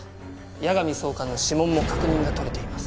矢上総監の指紋も確認が取れています。